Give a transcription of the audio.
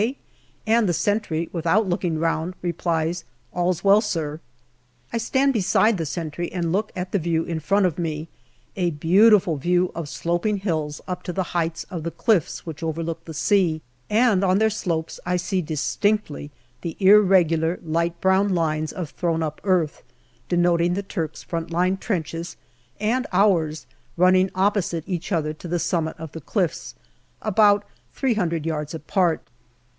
K. ?" and the sentry, without looking round, replies, " All's well, sir." I stand beside the sentry and look at the view in front of me a beautiful view of sloping hills up to the heights of the cliffs which overlook the sea ; and on their slopes I see distinctly the irregular light brown lines of thrown up earth, denoting the Turks' front line trenches and ours, running opposite each other to the summit of the cliffs, about three hundred yards apart.